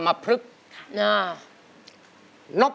โอ้โห